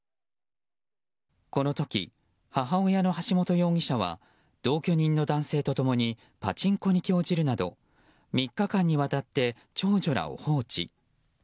この時、母親の橋本容疑者は同居人の男性と共にパチンコに興じるなど３日間にわたって長女らを放置。